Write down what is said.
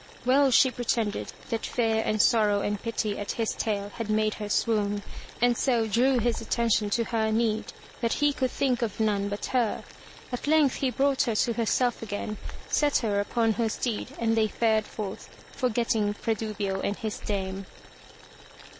Well she pretended that fear and sorrow and pity at this tale had made her swoon, and so drew his attention to her need, that he could think of none but her. At length he brought her to herself again, set her upon her steed and they fared forth, forgetting Fradubio and his dame.